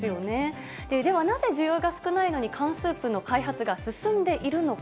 ではなぜ、需要が少ないのに缶スープの開発が進んでいるのか。